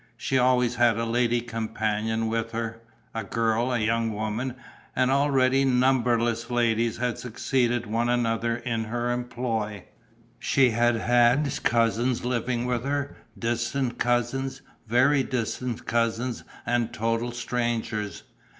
She always had a lady companion with her, a girl, a young woman; and already numberless ladies had succeeded one another in her employ. She had had cousins living with her, distant cousins, very distant cousins and total strangers.